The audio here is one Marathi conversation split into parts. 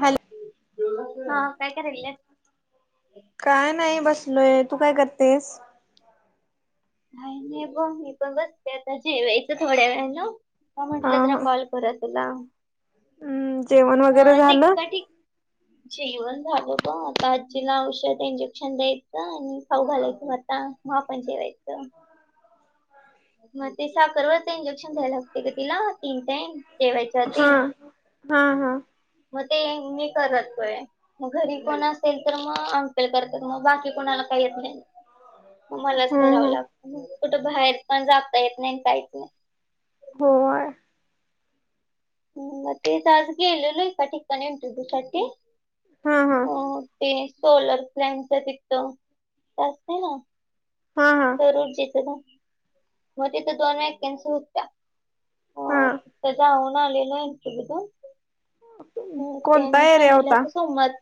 हॅलो ह काय कारीले काय नाही बसलोय तू काय करतेस नाही नाही ग मी पण बसते आता जेवायचं थोड्या वेळाला. आता हा म्हटलं जरा हा कॉल करूया तुला हम्म.. जेवण मग वगैरे आज झालं एकपाटी जेवण झाल बा आता आजीला औषध इंजेक्शन द्यायचं आणि खाऊ घालायचं म मग आपण जेवायचं. मग ते साखर वरच इंजेक्शन घ्यायला लागतय ग तिला तीन टाईम. हा.. हा हा मग ते मी करत करतंय. मग घरी कोण असेल तर मग अंकल करतात मग बाकी कोणाला काय येत नाही. मग मलाच करावं हम्म हम् लागत कुठं बाहेर पण जाता येत नाही कायच नाही होय हम् म तेच आज गेलेलो एका ठिकाणी इंटरयू साठी हा हा ते सोलर प्लनच तिथं.. ते असते ना हा हा सौर ऊर्जेच काय मग तिथे दोन वॅकन्सी होत्या. हा ह ते जाऊन आलेला म्हटली काय तु? हो कोणता त्यांनी एरिया सांगितलं होता तर सोमत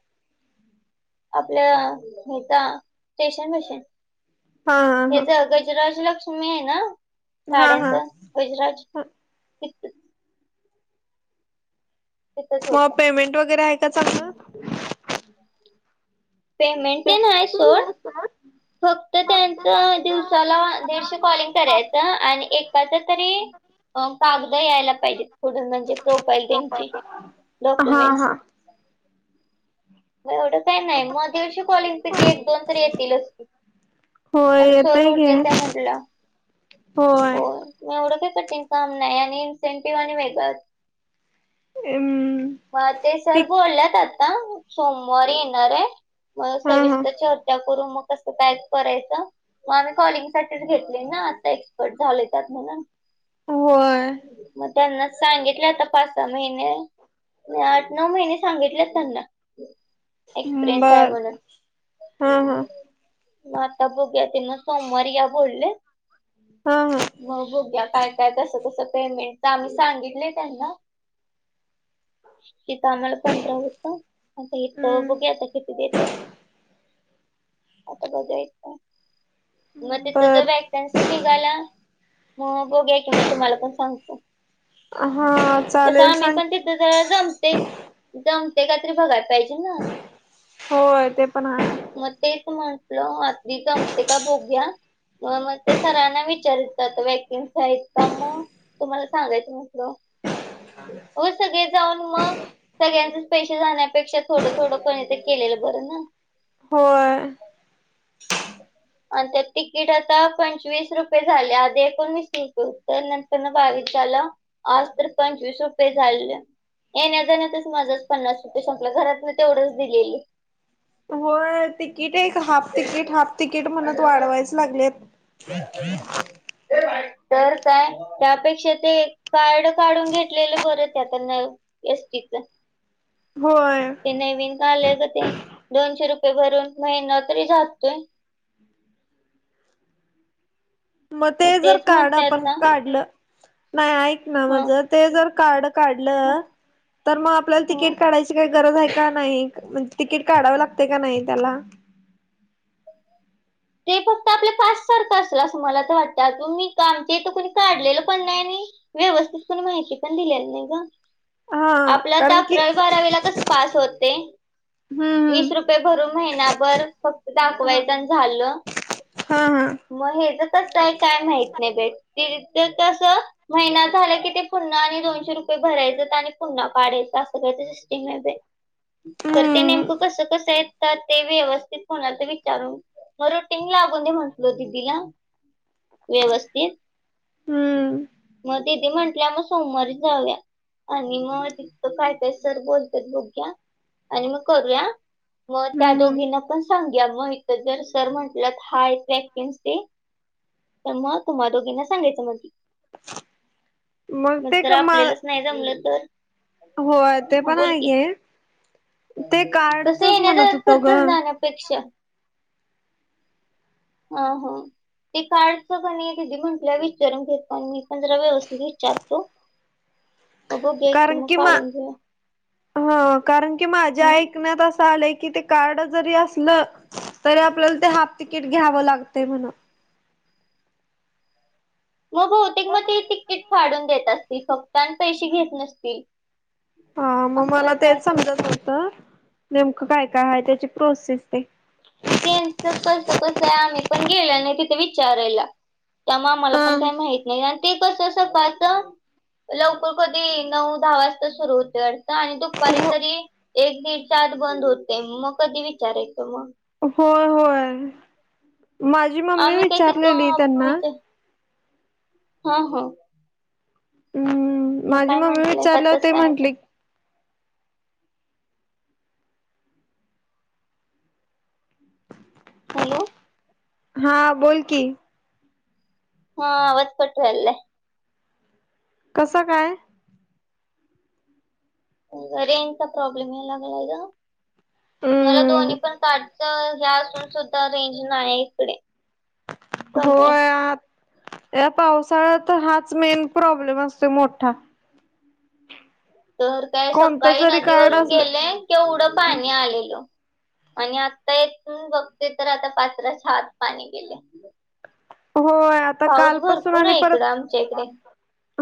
आपल्या हे त्या स्टेशन पशी हा हे हा हा गजराजलक्ष्मी आहे ना हा साड्यांच हा गुजराज तिथं तिथंच मग होतं पेमेंट वगैरे आहे का चांगलं? पेमेंटतेन आहे सोड फक्त त्यांच दिवसाला दीडशे कॉलिंग करायचं आणि एकाच तरी अ कागद यायला पाहिजेत पुढं म्हणजे प्रोफाईल त्यांची हा डॉक्युमेंट्स हा एवढं काही नाही मग दिडशे कॉलिंग पिकी एक दोन तर येतील की.. होय आता सौर येतय घे ऊर्जेच म्हटलं.. होय एवढं काही कटिंग काम नाही आणि इन्सेंटिव्ह आणि वेगळंच हम् मग ते सर बोलल्यात आता सोमवारी येणार हाय. मग हा हा सविस्तर चर्चा करू मग तसं कायच करायचं मग आम्ही कॉलिंग साठीच घेतली ना आता एक्सपर्ट झाले त्यात म्हणून होय मग त्याना सांगितलंय आता पाच -सहा महीन. म.. आठ -नऊ महिने सांगितलेत त्यांनला एक्सपिरिअन्स आहे बर म्हणून. हा हा मग आता बघूयात तेना सोमवारी या बोलले. हा हा मग बघूया काय काय तस तसं पेमेंट तर आम्ही सांगितलंय त्यांना तिथं आम्हाला पंधरा होतं, इथ हम्म बघूया आता येत्यात.. आता बघूया येतं बर काय.. ! त्यांच निघायला मग बघूया की मग तुम्हाला पण सांगतो. हा तसं चालेल आम्ही सांग पण की तिथंच... जमतय... जमतय का तरी बघायला पाहिजेल ना होय ते पण हाय मग तेच एक म्हटलं आधी जमतय का बघूया. मग.. मग ते सरांना विचारितात व्यकन्सी आहेत का मग तुम्हाला सांगायचं म्हटलं हो सगळे जाऊन मग सगळ्यांच पैसे जाण्यापेक्षा थोडं थोडं पण ते केलेलं बरं ना होय आणि त्या तिकीट आता पंचवीस रुपये झाले आधी एकोणवीस रुपये उत्तर नंतर बावीस झालं. आज तर पंचवीस रुपये झालेल. येण्या जाण तरच माझाच पन्नास रुपये संपला घरात म तेवढंच दिलेले हो तिकीट एक हाफ तिकीट हाफ तिकीट म्हणत वाढवायच लागलेत तर काय त्यापेक्षा ते कार्ड काढून घेतलेलं बर त्या त्यांना एस टीच होय नवीन काय ते दोनशे रुपये भरून महिना तरी जाततोय मग ते जर तेच कार्ड म्हणते आपण आता काढलं नाही ऐक ना माझ हं, ते जर कार्ड काढ हं, तर मग आपल्याला हं. तिकीट काढाय काही गरज आहे का नाही म्हणजे तिकीट काढाव लागते का नाही त्याला ते फक्त आपल्या पास सारखं असलं असं मला तर वाटतं मी आमच्या इथं कोणी काढलेलं पण नाही नाही व्यवस्थित पण माहिती पण दिलेली नाही ग हा आपला कारण की तरक्रय बारावीला कस पास होते हम्म वीस रुपय रुपे भरून महिनाभर फक्त हम्म हा दाखवायचा आणि झालं हा हा मग हेच कसं आहे काय माहत नाही भेट तथ कस महिनात झाला की ते पुन्हा आणि दोनशे रुपये भरायचे आणि पुन्हा पाडायचं असं कयचं येंग ते करते हम्म नेमकं कस कसं आहे ते व्यवस्थित कोणाच विचारून म रोटींग लागून दे म्हटल दिदीला व्यवस्थित हम्म मग ती म्हंटल्या म सोमवारी जाऊया आणि मग त काय काय सर बोलत बोघ्या आणि मग करूया मग त्या हम्म दोघीना पण सांग्या मग इथ जर जर म्हंटलं हा वॅकन्स ते तर मग तुम्हाला दोघींना सांगायचं म्हट मग ते तर क आपल्यालाच नाही जमलं तर होय ते पण आहेे तस म्हणत येण्याचा होतो ग खर्चच नाण्यापेक्षा हा हा ते काढच पण की म्हंटल्या विचारून घेत प मी पध्र व वसध चतू मग गेक तुमुख आडंगे हा कारण की माझ्या ऐकण्यात असं आलंय की ते कार्ड जरी असलं तरी आपल्याला ते हाफ तिकीट घ्यावं लागत म्हण मग बहुतेक मग ते तिकीट फढून देत असतील फक्त आणि पैसे घेत नसतील हा मग असं मला काय तर तेच असतंय समजत नव्हतं नेमकं काय काय आहे त्याची प्रोसेस ते तिथच कस कसं आहे आम्ही पण गेल आणि तिथे विचारायला त्यामुळे आम्हाला पण काही माहत नाही आणि ते कसं असं पाचं लवकर कधी नऊ दहा वाजता सुरू होते अथ आणि दुपारी हो तरी एक दीड सात बंद होते मग कधी विचारायचं मग होय होय माझी मम्मी आम्ही काय विचारलेली त्यांना ह हो हम्म माझी काय मम्मी म्हंटलंय का विचारलं तस ते काय म्हंटली हॅलो हा बोल की हा आवत् पटूयल् कसं काय रे एंत प्रॉबलेम येल लागला इ मला हम्म दोन्ही पण कारडच ह्या असून सुद्धा रेंज नाही इकडे कमी आहे होय या पावसाळ्यात हाच मेन प्रॉब्लेम असतो मोठा तर काय कोणत सकाळी जरी कार्ड नदीवरून असलं गेले किवढं पाणी आलेल आणि आता येथून बघते तर आता पाचरा ात पाणी गेले होय आता पाऊस कालपासून भरपूर आणि आहे इकडं परत. आमच्या इकडे.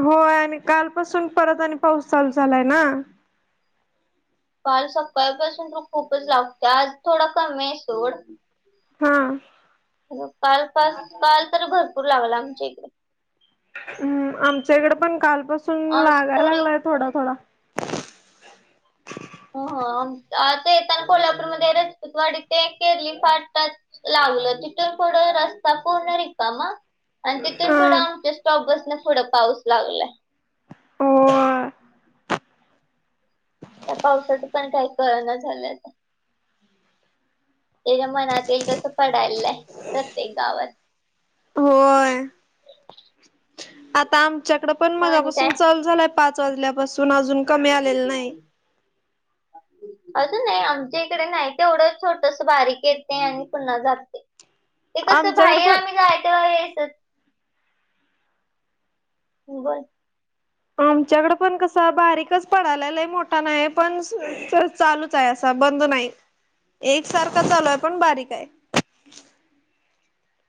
होय आणि कालपासून परत आणि पाऊस चालू झालाय ना. काल सकाळपासून तू खूपच लागते आज थोडा कमी आहे सोड. हां. काल पास काल तर भरपूर लागला आमच्या इकडे. हम्म आमच्या इकडे पण कालपासून आज लागायला तरी लागलाय थोडा थोडा. हो ह आता येताना कोल्हापूरमध्येध्ये रपूतवाडी ते केरली फाटतात. लावलं तिथून थोडं रस्ता पणार का मग. आणि तिथून हा पुढं आमच्या स्टॉप बसने पुढं पाऊस लागलाय. होय त्या पावसाात पण काही कळना झालं. त्याच्या मनात येईल तसं पडायला आहे प्रत्येक गावात. होय आता आमच्याकडें पण आणि काय? मगापासून चालू झालंय पाच वाजल्यापासून अजून कमी आलेलं नाही. [unintelligible] असं नाही आमच्या इकडे नाही तेवढं छोटस बारीक येते आणि पुन्हा जाते.. ते कसं आमच्याकडे बाहेर पण आम्ही जाय तेव्हा हेसत.. बरं. आमच्याकडे पण कसं बारीकच पडलेला आहे. मोठा नाही पण चालू. अस बंद नाही एक सारखा झालोय पण बारीक आहे.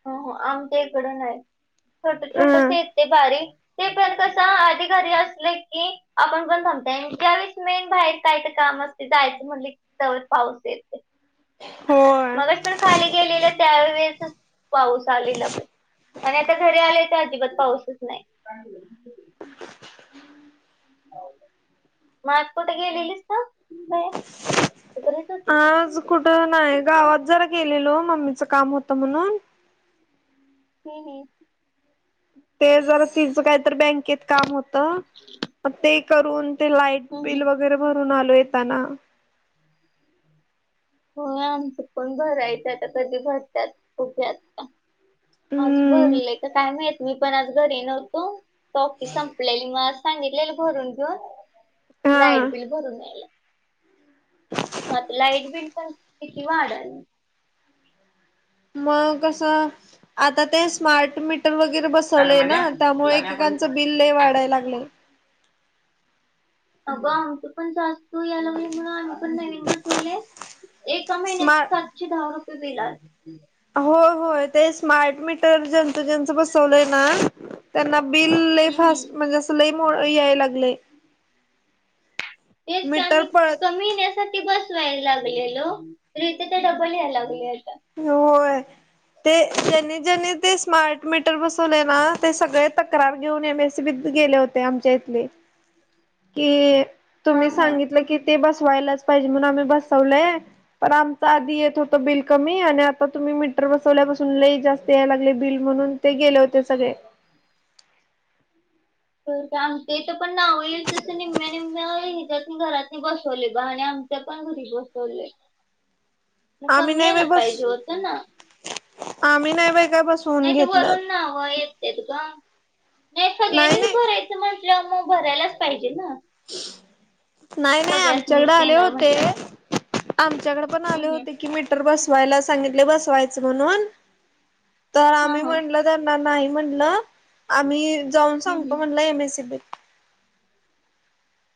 हो आमच्या इकडून आहे छोट छोटस अं येत ते बारीक. ते पण कस अध घारी असले की. आपण पण थांबताय त्यावेळेस मेन बाहेर काय तर काम असते जायचं म्हणले. पाऊस येते. होय. मगच पण खाली गेलेलं त्यावेेळेस पाऊस आलेला पण. आणि आता घरी आलेय तर अजिबात पाऊसच नाही. हम्. मग आज कुठ गे दिलीस तर. आज कुठ नाही गावात जरा. गेलेलो मम्मीचं काम होतं म्हणून. हम ह. ते जर तिच काहीत बँकेत काम होत. ते करून. ते लाईट हम्म बिल वगैरे भरून आलो. येताना. हो आमच पण घरायच आता कधी भरतात. खक्यात. आज हम्म भरलेय तर काय माहित मी पण आज घरी. नव्हतो. तोकी संपलेली मग सांगितलेली भरून घेऊन. हा लाईट बिल भरून या्यायला हता लाईट बिल. पण किती वाढत. मग कस आता ते स्मार्ट मीटर वगैरे बस. वले ना त्यामुळे एकेकांच बिल वाढाय लागले. अगग तू पण जा असतू या लगली म्हणून आ मी पण नवीन बसवले. एका महिन्यात स्मार्ट सातशे दहा रुपये बिल आ. हो हो ते स्मार्ट मीटर जंतूजच बसवलंय ना. त्यांना बिल हम्म हम्म फास्ट म्हणजे असं लई मो याय लागले. मीटर पळ. बस वयला लागलेल तर इथे तर डबल यायला लागले होत. होय.. ते ज्यांनी ज्यांनी ते स्मार्ट मीटर बसवले ना ते सगळे तक्रार घेऊन ये म. गेले होते आमच्या इथले. कि हा तुम्ही हा सांगितलं कि ते बसवायलाच पाहिजे म्हणून आम्ही बसवलय. पण आमंच आधी येत होतं बिल कमी आणि आता तुम्ही मीटर बसवल्यापासून लई जास्त यायला लागले बिल म्हणून. ते गेले होते सगळे. का आम ते तर पण नाव येईल तस निम्म्या निम्म्या त्या घरात बसवले. ब आणि आम, पण घरी बसवले आम्ही कमी नाही बाई यायला बस पाहिजे होतं ना. आम्ही नाही बाे काय बस.. नाही ते वरून नावं येत ते त ग नाही नाही सगळ्यांनीच नाही भराय... म्र मग भरायलाच पाहिजे ना. नाही नाही आमच्याकड सगळ्यासनीच आले येणार होते. म्हटलं. आमच्याकड पण हम्म आले हम्म होते. म्हण हा आम हा म्ह नाही म्हणलं आम्ही जाऊन हम्म सांगतो. हम्म. म्हणल एमसी बी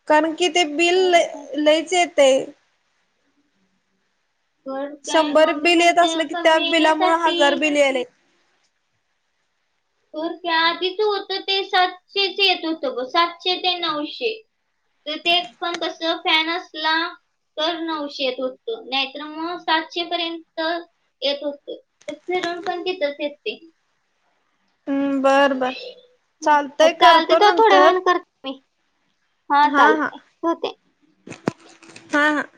कारण कि ते.. होर का? नाहीच येते. तर काय शंभर मम्मी बिल येत म्हणते असलं की त्या कमी बिलामुळ हजार येण्यासाठी बिलिले.. तर त्या आधीच होतं ते सातशेच येत होतं ग सातशे ते नऊशे तर ते पण कसं फॅन असला. तर नऊशेत होतो नाहीतर मग सातशे पर्यंत, येत असत रंग पण क त तेच ते, हम्म बर बर चालतय चालते करतो तर थोड्या नंतर वेण करते मी, हा हा चालते ठेवते हा हा